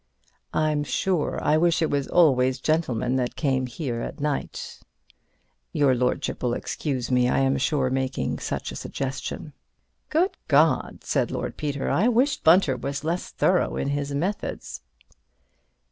"I'm sure I wish it was always gentlemen that come here at night," I said. (Your lordship will excuse me, I am sure, making such a suggestion.) ("Good God," said Lord Peter, "I wish Bunter was less thorough in his methods."